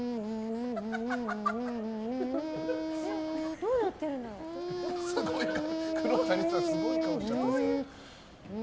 どうやってるんだろう？